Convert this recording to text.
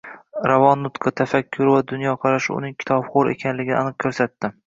Ravon nutqi, tafakkuri va dunyoqarashi uning kitobxo'r ekanligini aniq ko'rsatdi...